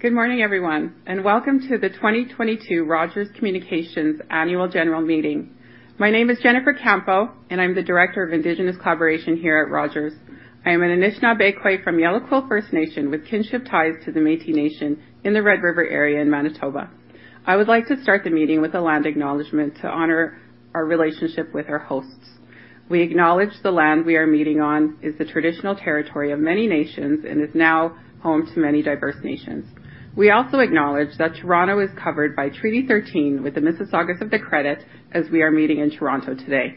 Good morning, everyone, and welcome to the 2022 Rogers Communications Annual General Meeting. My name is Jennifer Campos, and I'm the Director of Indigenous Collaboration here at Rogers. I am an Anishinaabe Khoi from Yellow Quill First Nation, with kinship ties to the Métis Nation in the Red River area in Manitoba. I would like to start the meeting with a land acknowledgment to honor our relationship with our hosts. We acknowledge the land we are meeting on is the traditional territory of many nations and is now home to many diverse nations. We also acknowledge that Toronto is covered by Treaty 13 with the Mississaugas of the Credit, as we are meeting in Toronto today.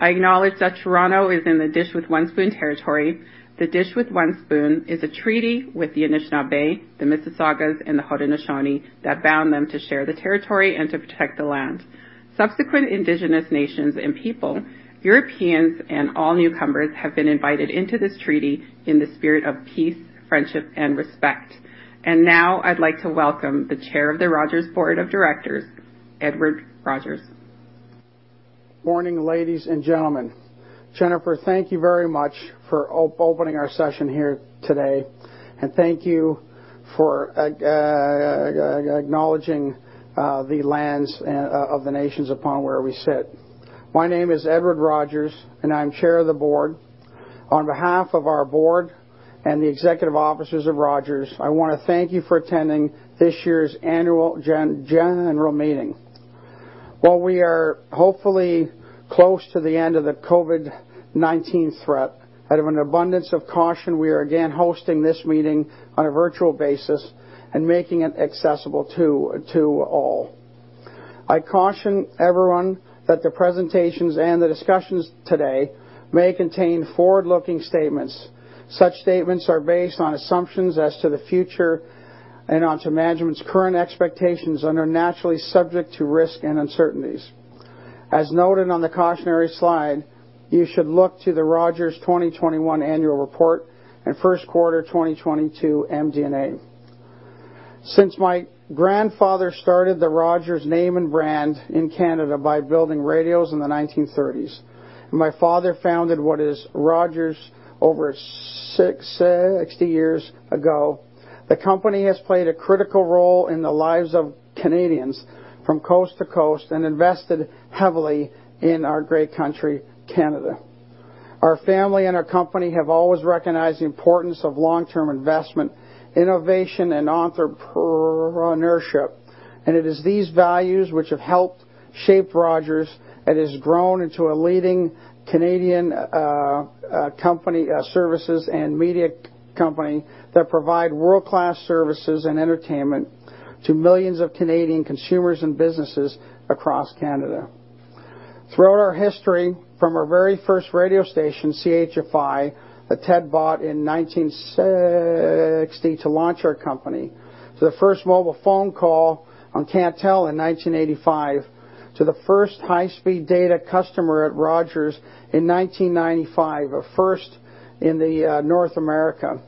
I acknowledge that Toronto is in the Dish With One Spoon territory. The Dish With One Spoon is a treaty with the Anishinaabe, the Mississaugas, and the Haudenosaunee that bound them to share the territory and to protect the land. Subsequent Indigenous nations and people, Europeans and all newcomers, have been invited into this treaty in the spirit of peace, friendship, and respect. And now I'd like to welcome the Chair of the Rogers Board of Directors, Edward Rogers. Morning, ladies and gentlemen. Jennifer, thank you very much for opening our session here today, and thank you for acknowledging the lands of the nations upon where we sit. My name is Edward Rogers, and I'm Chair of the Board. On behalf of our Board and the Executive Officers of Rogers, I want to thank you for attending this year's Annual General Meeting. While we are hopefully close to the end of the COVID-19 threat, out of an abundance of caution, we are again hosting this meeting on a virtual basis and making it accessible to all. I caution everyone that the presentations and the discussions today may contain forward-looking statements. Such statements are based on assumptions as to the future and on management's current expectations and are naturally subject to risk and uncertainties. As noted on the cautionary slide, you should look to the Rogers 2021 Annual Report and First Quarter 2022 MD&A. Since my grandfather started the Rogers name and brand in Canada by building radios in the 1930s, and my father founded what is Rogers over 60 years ago, the company has played a critical role in the lives of Canadians from coast to coast and invested heavily in our great country, Canada. Our family and our company have always recognized the importance of long-term investment, innovation, and entrepreneurship, and it is these values which have helped shape Rogers and has grown into a leading Canadian company, services, and media company that provides world-class services and entertainment to millions of Canadian consumers and businesses across Canada. Throughout our history, from our very first radio station, CHFI, that Ted bought in 1960 to launch our company, to the first mobile phone call on Cantel in 1985, to the first high-speed data customer at Rogers in 1995, a first in North America,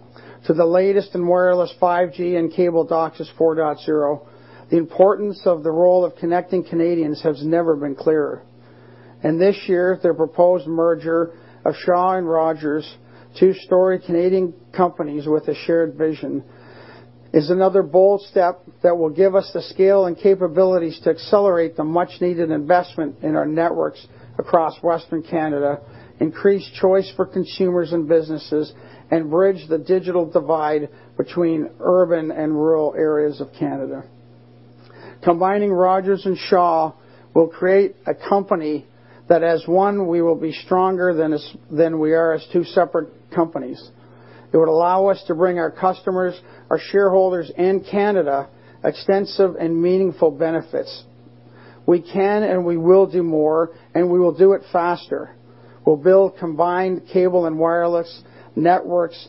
to the latest in wireless 5G and cable DOCSIS 4.0, the importance of the role of connecting Canadians has never been clearer. And this year, their proposed merger of Shaw and Rogers, two storied Canadian companies with a shared vision, is another bold step that will give us the scale and capabilities to accelerate the much-needed investment in our networks across Western Canada, increase choice for consumers and businesses, and bridge the digital divide between urban and rural areas of Canada. Combining Rogers and Shaw will create a company that, as one, we will be stronger than we are as two separate companies. It would allow us to bring our customers, our shareholders, and Canada extensive and meaningful benefits. We can and we will do more, and we will do it faster. We'll build combined cable and wireless networks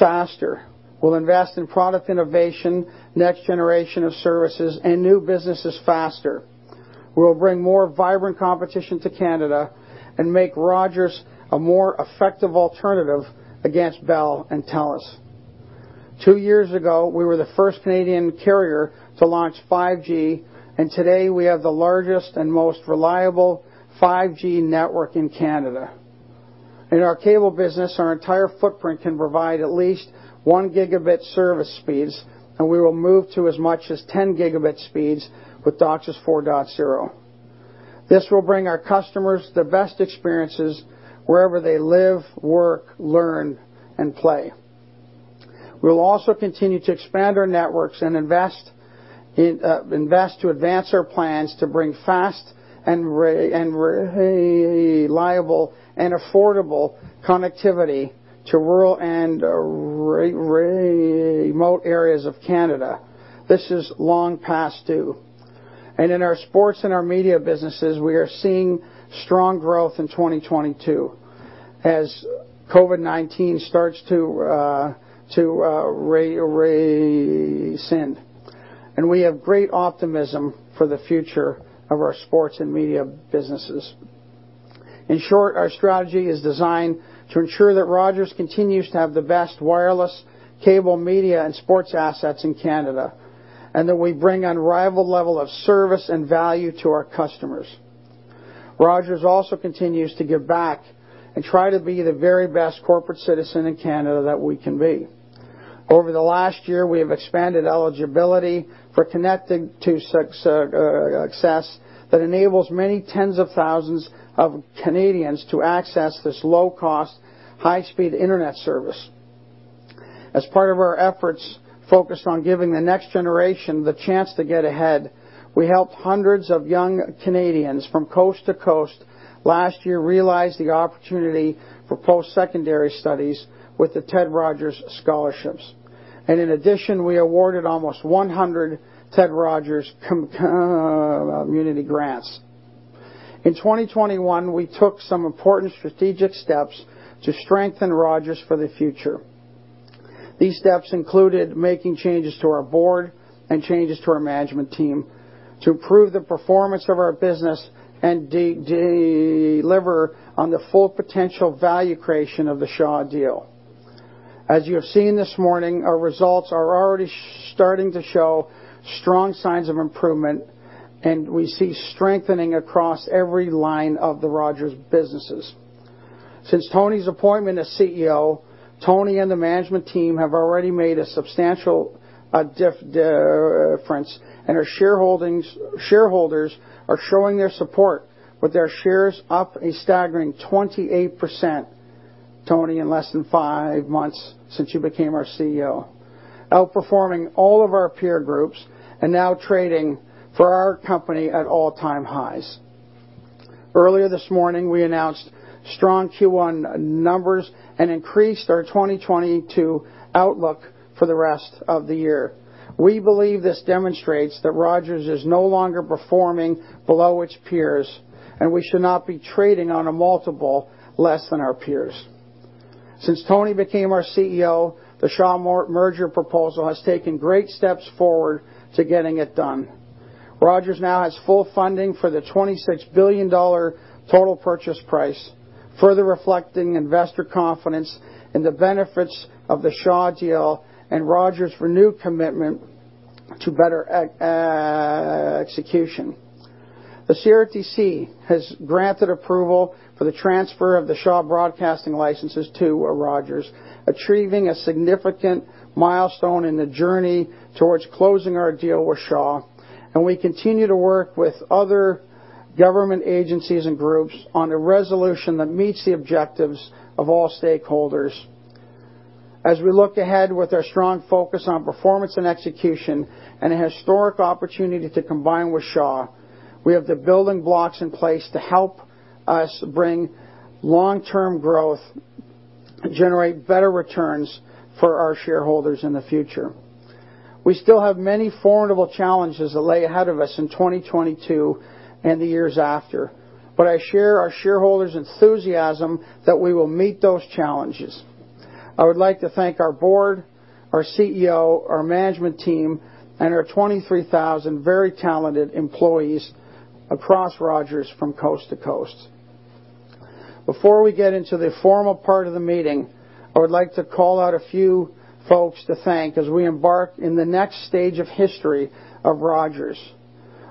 faster. We'll invest in product innovation, next generation of services, and new businesses faster. We'll bring more vibrant competition to Canada and make Rogers a more effective alternative against Bell and TELUS. Two years ago, we were the first Canadian carrier to launch 5G, and today we have the largest and most reliable 5G network in Canada. In our cable business, our entire footprint can provide at least one gigabit service speeds, and we will move to as much as 10 gigabit speeds with DOCSIS 4.0. This will bring our customers the best experiences wherever they live, work, learn, and play. We will also continue to expand our networks and invest to advance our plans to bring fast and reliable and affordable connectivity to rural and remote areas of Canada. This is long past due, and in our sports and our media businesses, we are seeing strong growth in 2022 as COVID-19 starts to rescind, and we have great optimism for the future of our sports and media businesses. In short, our strategy is designed to ensure that Rogers continues to have the best wireless, cable, media, and sports assets in Canada, and that we bring unrivaled level of service and value to our customers. Rogers also continues to give back and try to be the very best corporate citizen in Canada that we can be. Over the last year, we have expanded eligibility for Connected for Success that enables many tens of thousands of Canadians to access this low-cost, high-speed internet service. As part of our efforts focused on giving the next generation the chance to get ahead, we helped hundreds of young Canadians from coast to coast last year realize the opportunity for post-secondary studies with the Ted Rogers Scholarships, and in addition, we awarded almost 100 Ted Rogers Community Grants. In 2021, we took some important strategic steps to strengthen Rogers for the future. These steps included making changes to our board and changes to our management team to improve the performance of our business and deliver on the full potential value creation of the Shaw deal. As you have seen this morning, our results are already starting to show strong signs of improvement, and we see strengthening across every line of the Rogers businesses. Since Tony's appointment as CEO, Tony and the management team have already made a substantial difference, and our shareholders are showing their support with their shares up a staggering 28%, Tony, in less than five months since you became our CEO, outperforming all of our peer groups and now trading for our company at all-time highs. Earlier this morning, we announced strong Q1 numbers and increased our 2022 outlook for the rest of the year. We believe this demonstrates that Rogers is no longer performing below its peers, and we should not be trading on a multiple less than our peers. Since Tony became our CEO, the Shaw merger proposal has taken great steps forward to getting it done. Rogers now has full funding for the 26 billion dollar total purchase price, further reflecting investor confidence in the benefits of the Shaw deal and Rogers' renewed commitment to better execution. The CRTC has granted approval for the transfer of the Shaw broadcasting licenses to Rogers, achieving a significant milestone in the journey towards closing our deal with Shaw, and we continue to work with other government agencies and groups on a resolution that meets the objectives of all stakeholders. As we look ahead with our strong focus on performance and execution and a historic opportunity to combine with Shaw, we have the building blocks in place to help us bring long-term growth and generate better returns for our shareholders in the future. We still have many formidable challenges that lay ahead of us in 2022 and the years after, but I share our shareholders' enthusiasm that we will meet those challenges. I would like to thank our board, our CEO, our management team, and our 23,000 very talented employees across Rogers from coast to coast. Before we get into the formal part of the meeting, I would like to call out a few folks to thank as we embark in the next stage of history of Rogers,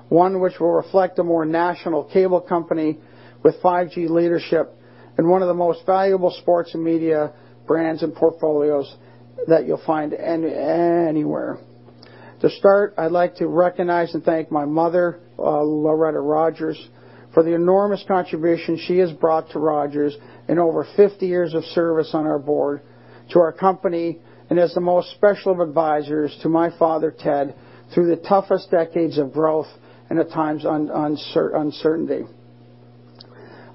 one which will reflect a more national cable company with 5G leadership and one of the most valuable sports and media brands and portfolios that you'll find anywhere. To start, I'd like to recognize and thank my mother, Loretta Rogers, for the enormous contribution she has brought to Rogers in over 50 years of service on our board, to our company, and as the most special of advisors to my father, Ted, through the toughest decades of growth and at times uncertainty.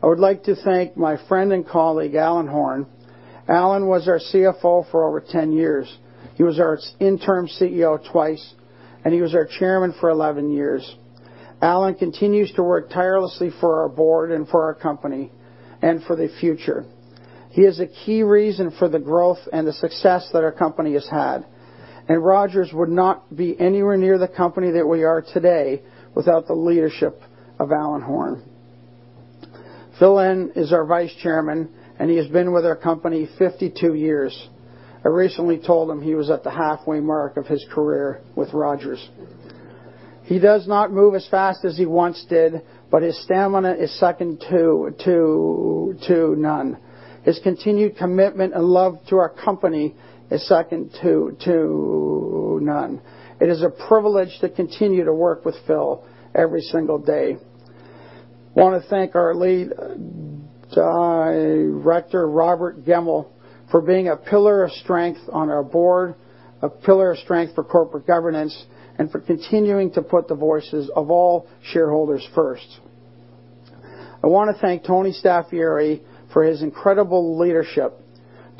I would like to thank my friend and colleague, Alan Horn. Alan was our CFO for over 10 years. He was our interim CEO twice, and he was our chairman for 11 years. Alan continues to work tirelessly for our board and for our company and for the future. He is a key reason for the growth and the success that our company has had, and Rogers would not be anywhere near the company that we are today without the leadership of Alan Horn. Phil Lind is our Vice Chairman, and he has been with our company 52 years. I recently told him he was at the halfway mark of his career with Rogers. He does not move as fast as he once did, but his stamina is second to none. His continued commitment and love to our company is second to none. It is a privilege to continue to work with Phil every single day. I want to thank our Lead Director, Robert Gemmell, for being a pillar of strength on our board, a pillar of strength for corporate governance, and for continuing to put the voices of all shareholders first. I want to thank Tony Staffieri for his incredible leadership.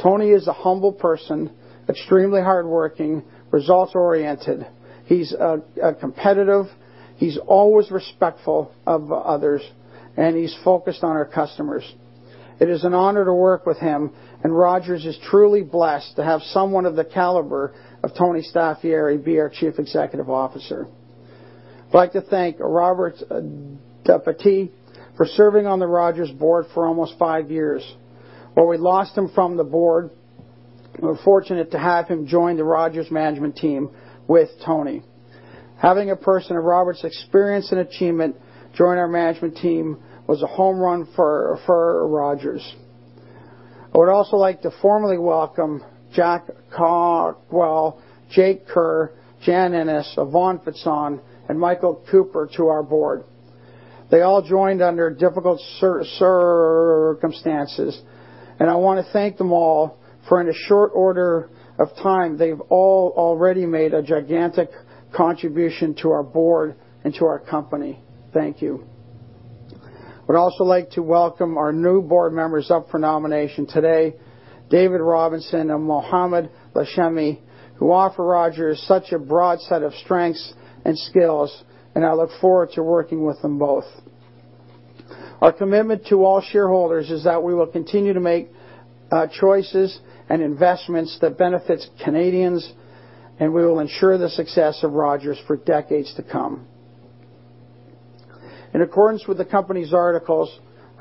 Tony is a humble person, extremely hardworking, results-oriented. He's competitive. He's always respectful of others, and he's focused on our customers. It is an honor to work with him, and Rogers is truly blessed to have someone of the caliber of Tony Staffieri be our Chief Executive Officer. I'd like to thank Robert Dépatie for serving on the Rogers board for almost five years. While we lost him from the board, we were fortunate to have him join the Rogers management team with Tony. Having a person of Robert's experience and achievement join our management team was a home run for Rogers. I would also like to formally welcome Jack Cockwell, Jake Kerr, Jan Innes, Ivan Fecan, and Michael Cooper to our board. They all joined under difficult circumstances, and I want to thank them all for, in a short order of time, they've all already made a gigantic contribution to our board and to our company. Thank you. I would also like to welcome our new board members up for nomination today, David Robinson and Mohamed Lachemi, who offer Rogers such a broad set of strengths and skills, and I look forward to working with them both. Our commitment to all shareholders is that we will continue to make choices and investments that benefit Canadians, and we will ensure the success of Rogers for decades to come. In accordance with the company's articles,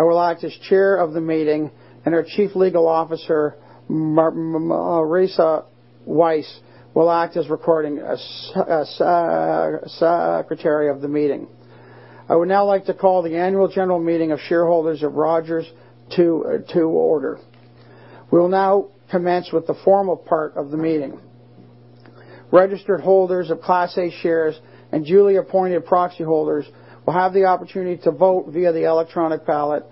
I will act as chair of the meeting, and our Chief Legal Officer, Marisa Wyse, will act as recording secretary of the meeting. I would now like to call the annual general meeting of shareholders of Rogers to order. We will now commence with the formal part of the meeting. Registered holders of Class A shares and duly appointed proxy holders will have the opportunity to vote via the electronic ballot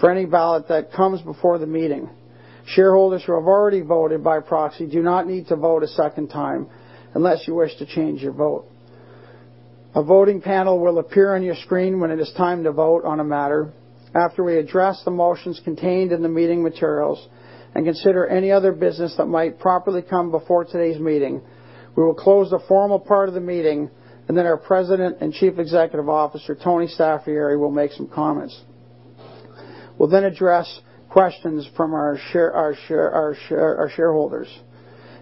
for any ballot that comes before the meeting. Shareholders who have already voted by proxy do not need to vote a second time unless you wish to change your vote. A voting panel will appear on your screen when it is time to vote on a matter. After we address the motions contained in the meeting materials and consider any other business that might properly come before today's meeting, we will close the formal part of the meeting, and then our President and Chief Executive Officer, Tony Staffieri, will make some comments. We'll then address questions from our shareholders.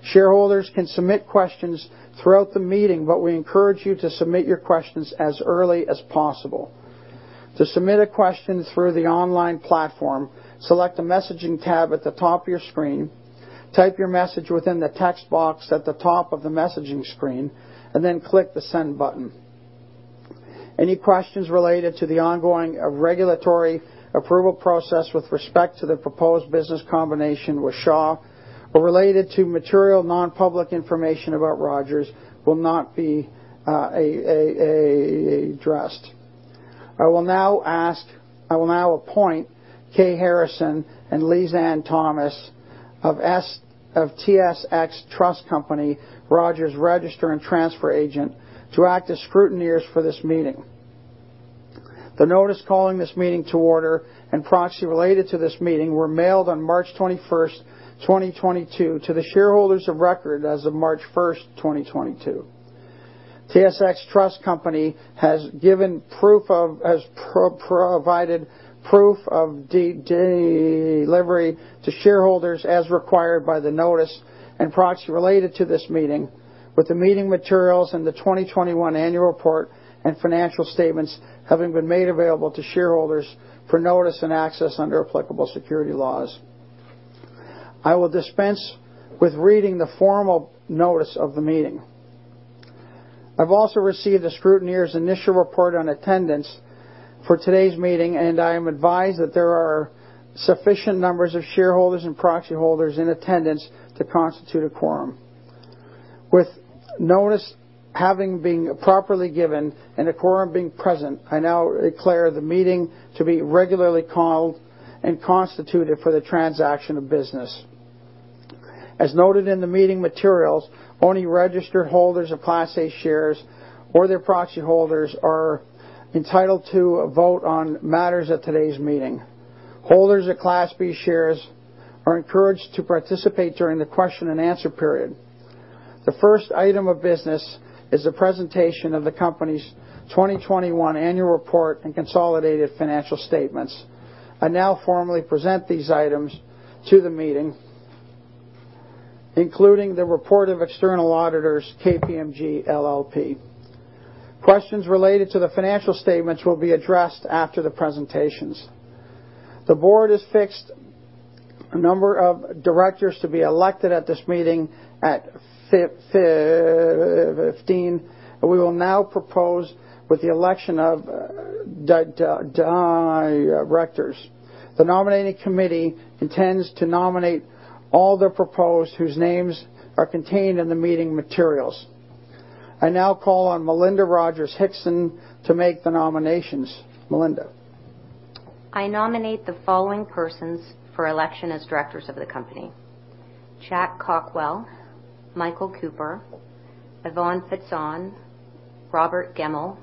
Shareholders can submit questions throughout the meeting, but we encourage you to submit your questions as early as possible. To submit a question through the online platform, select the messaging tab at the top of your screen, type your message within the text box at the top of the messaging screen, and then click the send button. Any questions related to the ongoing regulatory approval process with respect to the proposed business combination with Shaw or related to material non-public information about Rogers will not be addressed. I will now appoint Kay Harrison and Lizanne Thomas of TSX Trust Company, Rogers Registrar and Transfer Agent, to act as scrutineers for this meeting. The notice calling this meeting to order and proxy related to this meeting were mailed on March 21st, 2022, to the shareholders of record as of March 1st, 2022. TSX Trust Company has provided proof of delivery to shareholders as required by the notice and proxy related to this meeting, with the meeting materials and the 2021 annual report and financial statements having been made available to shareholders for notice and access under applicable security laws. I will dispense with reading the formal notice of the meeting. I've also received the scrutineer's initial report on attendance for today's meeting, and I am advised that there are sufficient numbers of shareholders and proxy holders in attendance to constitute a quorum. With notice having been properly given and a quorum being present, I now declare the meeting to be regularly called and constituted for the transaction of business. As noted in the meeting materials, only registered holders of Class A shares or their proxy holders are entitled to vote on matters at today's meeting. Holders of Class B shares are encouraged to participate during the question and answer period. The first item of business is the presentation of the company's 2021 annual report and consolidated financial statements. I now formally present these items to the meeting, including the report of external auditors, KPMG LLP. Questions related to the financial statements will be addressed after the presentations. The board has fixed a number of directors to be elected at this meeting at 15, but we will now proceed with the election of directors. The nominating committee intends to nominate all the proposed whose names are contained in the meeting materials. I now call on Melinda Rogers-Hickson to make the nominations. Melinda. I nominate the following persons for election as directors of the company: Jack Cockwell, Michael Cooper, Ivan Fecan, Robert Gemmell,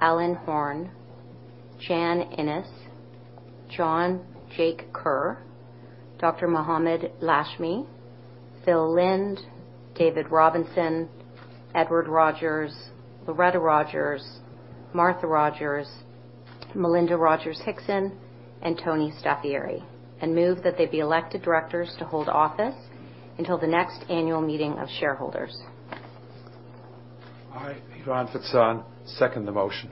Alan Horn, Jan Innes, John "Jake" Kerr, Dr. Mohamed Lachemi, Phil Lind, David Robinson, Edward Rogers, Loretta Rogers, Martha Rogers, Melinda Rogers-Hickson, and Tony Staffieri, and move that they be elected directors to hold office until the next annual meeting of shareholders. Ivan Fecan, second the motion.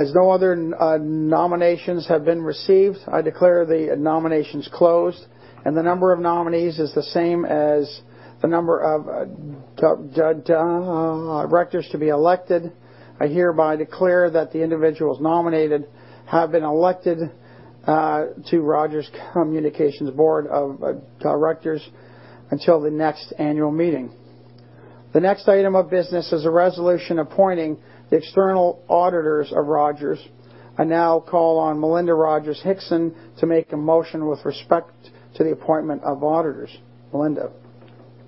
As no other nominations have been received, I declare the nominations closed, and the number of nominees is the same as the number of directors to be elected. I hereby declare that the individuals nominated have been elected to Rogers Communications Board of Directors until the next annual meeting. The next item of business is a resolution appointing the external auditors of Rogers. I now call on Melinda Rogers-Hickson to make a motion with respect to the appointment of auditors. Melinda.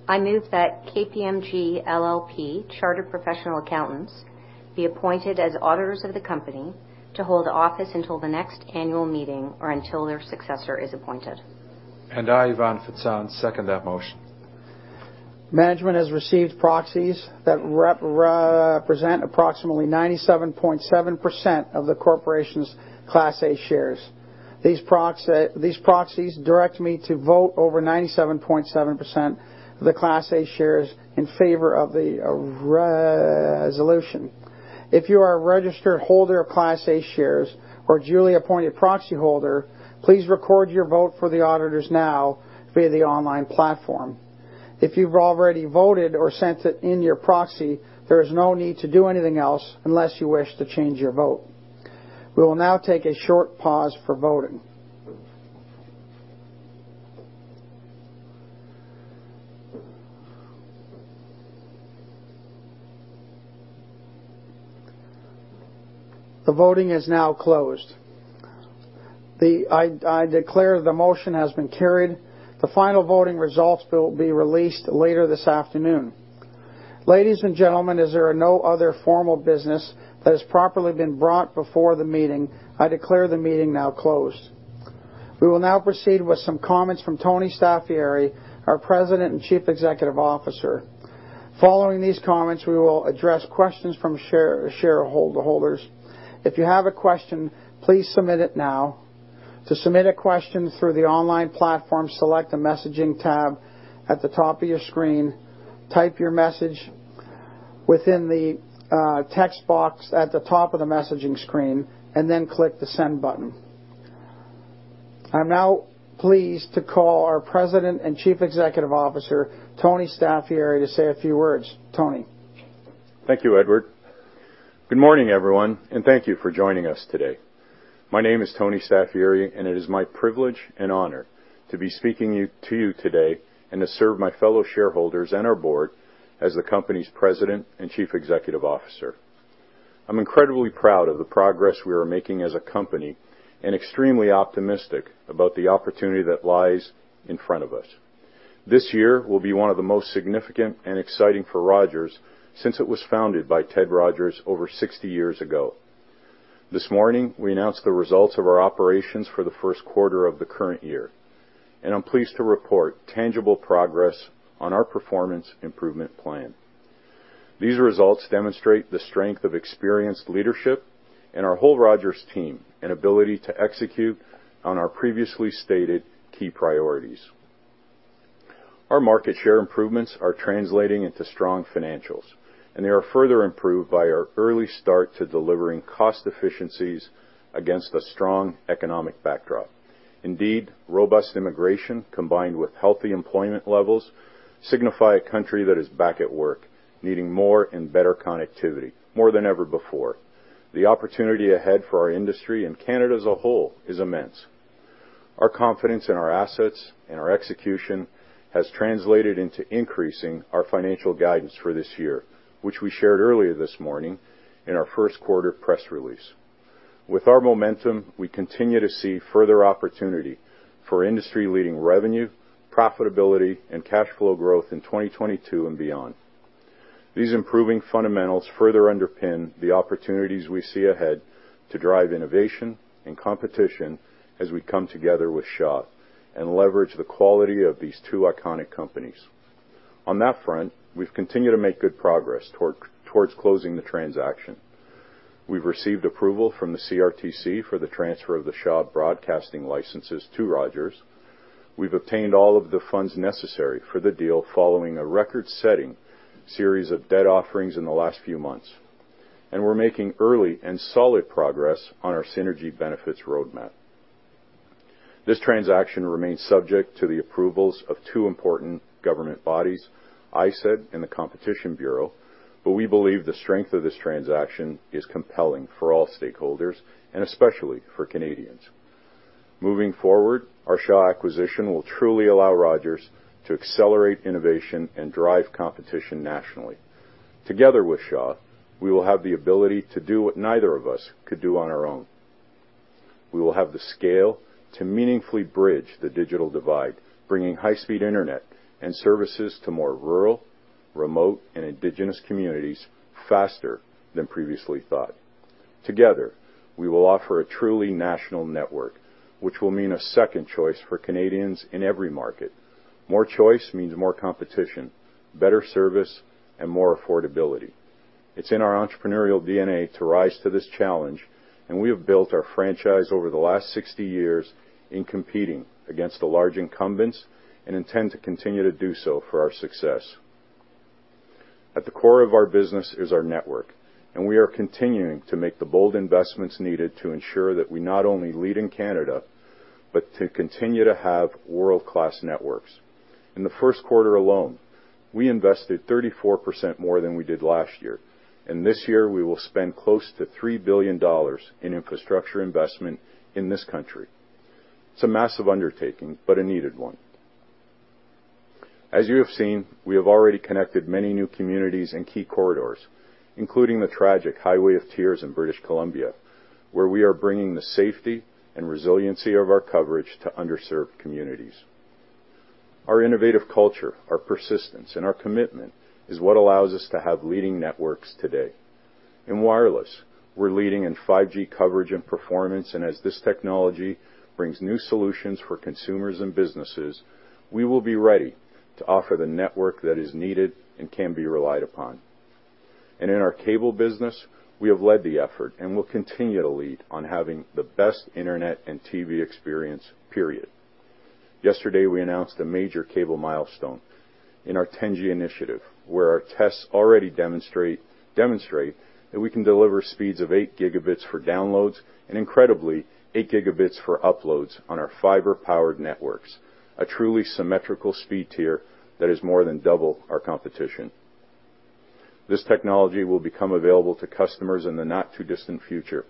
I move that KPMG LLP, Chartered Professional Accountants, be appointed as auditors of the company to hold office until the next annual meeting or until their successor is appointed, and I, Ivan Fecan, second that motion. Management has received proxies that represent approximately 97.7% of the corporation's Class A shares. These proxies direct me to vote over 97.7% of the Class A shares in favor of the resolution. If you are a registered holder of Class A shares or a duly appointed proxy holder, please record your vote for the auditors now via the online platform. If you've already voted or sent it in your proxy, there is no need to do anything else unless you wish to change your vote. We will now take a short pause for voting. The voting is now closed. I declare the motion has been carried. The final voting results will be released later this afternoon. Ladies and gentlemen, as there are no other formal business that has properly been brought before the meeting, I declare the meeting now closed. We will now proceed with some comments from Tony Staffieri, our President and Chief Executive Officer. Following these comments, we will address questions from shareholders. If you have a question, please submit it now. To submit a question through the online platform, select the messaging tab at the top of your screen, type your message within the text box at the top of the messaging screen, and then click the send button. I'm now pleased to call our President and Chief Executive Officer, Tony Staffieri, to say a few words. Tony. Thank you, Edward. Good morning, everyone, and thank you for joining us today. My name is Tony Staffieri, and it is my privilege and honor to be speaking to you today and to serve my fellow shareholders and our board as the company's President and Chief Executive Officer. I'm incredibly proud of the progress we are making as a company and extremely optimistic about the opportunity that lies in front of us. This year will be one of the most significant and exciting for Rogers since it was founded by Ted Rogers over 60 years ago. This morning, we announced the results of our operations for the first quarter of the current year, and I'm pleased to report tangible progress on our performance improvement plan. These results demonstrate the strength of experienced leadership in our whole Rogers team and ability to execute on our previously stated key priorities. Our market share improvements are translating into strong financials, and they are further improved by our early start to delivering cost efficiencies against a strong economic backdrop. Indeed, robust immigration combined with healthy employment levels signify a country that is back at work, needing more and better connectivity more than ever before. The opportunity ahead for our industry and Canada as a whole is immense. Our confidence in our assets and our execution has translated into increasing our financial guidance for this year, which we shared earlier this morning in our first quarter press release. With our momentum, we continue to see further opportunity for industry-leading revenue, profitability, and cash flow growth in 2022 and beyond. These improving fundamentals further underpin the opportunities we see ahead to drive innovation and competition as we come together with Shaw and leverage the quality of these two iconic companies. On that front, we've continued to make good progress towards closing the transaction. We've received approval from the CRTC for the transfer of the Shaw broadcasting licenses to Rogers. We've obtained all of the funds necessary for the deal following a record-setting series of debt offerings in the last few months, and we're making early and solid progress on our synergy benefits roadmap. This transaction remains subject to the approvals of two important government bodies, ISED and the Competition Bureau, but we believe the strength of this transaction is compelling for all stakeholders and especially for Canadians. Moving forward, our Shaw acquisition will truly allow Rogers to accelerate innovation and drive competition nationally. Together with Shaw, we will have the ability to do what neither of us could do on our own. We will have the scale to meaningfully bridge the digital divide, bringing high-speed internet and services to more rural, remote, and Indigenous communities faster than previously thought. Together, we will offer a truly national network, which will mean a second choice for Canadians in every market. More choice means more competition, better service, and more affordability. It's in our entrepreneurial DNA to rise to this challenge, and we have built our franchise over the last 60 years in competing against the large incumbents and intend to continue to do so for our success. At the core of our business is our network, and we are continuing to make the bold investments needed to ensure that we not only lead in Canada but to continue to have world-class networks. In the first quarter alone, we invested 34% more than we did last year, and this year we will spend close to 3 billion dollars in infrastructure investment in this country. It's a massive undertaking, but a needed one. As you have seen, we have already connected many new communities and key corridors, including the tragic Highway of Tears in British Columbia, where we are bringing the safety and resiliency of our coverage to underserved communities. Our innovative culture, our persistence, and our commitment is what allows us to have leading networks today. In wireless, we're leading in 5G coverage and performance, and as this technology brings new solutions for consumers and businesses, we will be ready to offer the network that is needed and can be relied upon. In our cable business, we have led the effort and will continue to lead on having the best internet and TV experience, period. Yesterday, we announced a major cable milestone in our 10G initiative, where our tests already demonstrate that we can deliver speeds of eight gigabits for downloads and, incredibly, eight gigabits for uploads on our fiber-powered networks, a truly symmetrical speed tier that is more than double our competition. This technology will become available to customers in the not-too-distant future.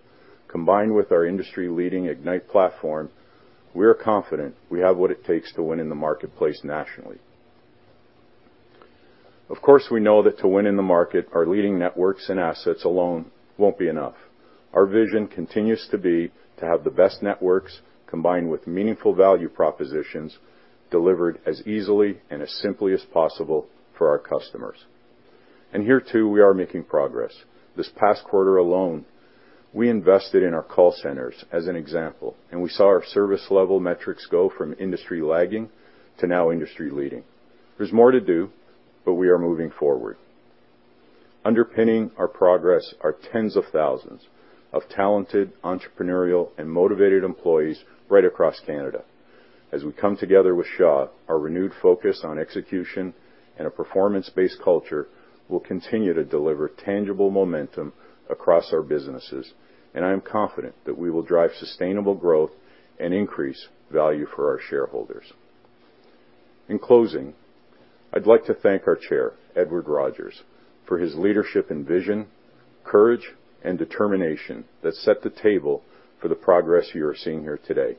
Combined with our industry-leading Ignite platform, we are confident we have what it takes to win in the marketplace nationally. Of course, we know that to win in the market, our leading networks and assets alone won't be enough. Our vision continues to be to have the best networks combined with meaningful value propositions delivered as easily and as simply as possible for our customers. Here, too, we are making progress. This past quarter alone, we invested in our call centers as an example, and we saw our service-level metrics go from industry-lagging to now industry-leading. There's more to do, but we are moving forward. Underpinning our progress are tens of thousands of talented, entrepreneurial, and motivated employees right across Canada. As we come together with Shaw, our renewed focus on execution and a performance-based culture will continue to deliver tangible momentum across our businesses, and I am confident that we will drive sustainable growth and increase value for our shareholders. In closing, I'd like to thank our Chair, Edward Rogers, for his leadership and vision, courage, and determination that set the table for the progress you are seeing here today.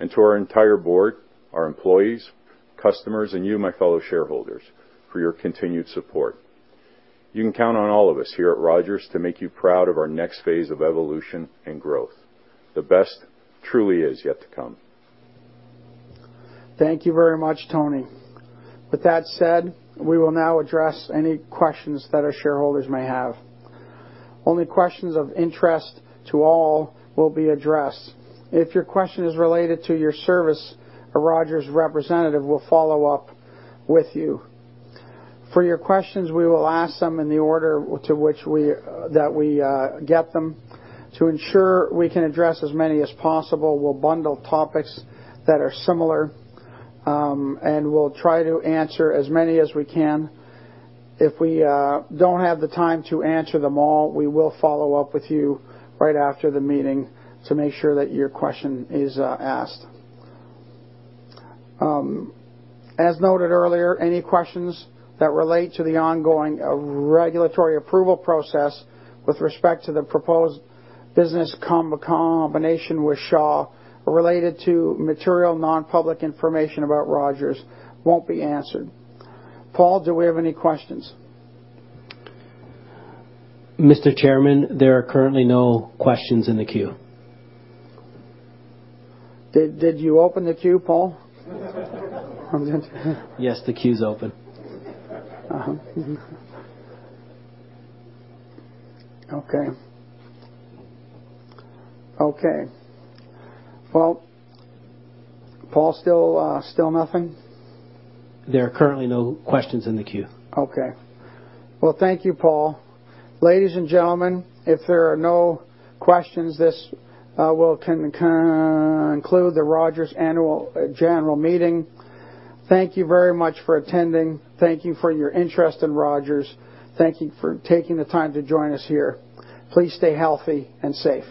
To our entire board, our employees, customers, and you, my fellow shareholders, for your continued support. You can count on all of us here at Rogers to make you proud of our next phase of evolution and growth. The best truly is yet to come. Thank you very much, Tony. With that said, we will now address any questions that our shareholders may have. Only questions of interest to all will be addressed. If your question is related to your service, a Rogers representative will follow up with you. For your questions, we will ask them in the order to which we get them. To ensure we can address as many as possible, we'll bundle topics that are similar, and we'll try to answer as many as we can. If we don't have the time to answer them all, we will follow up with you right after the meeting to make sure that your question is asked. As noted earlier, any questions that relate to the ongoing regulatory approval process with respect to the proposed business combination with Shaw, related to material non-public information about Rogers, won't be answered. Paul, do we have any questions? Mr. Chairman, there are currently no questions in the queue. Did you open the queue, Paul? Yes, the queue's open. Okay. Okay. Well, Paul, still nothing? There are currently no questions in the queue. Okay. Well, thank you, Paul. Ladies and gentlemen, if there are no questions, this will conclude the Rogers General Meeting. Thank you very much for attending. Thank you for your interest in Rogers. Thank you for taking the time to join us here. Please stay healthy and safe.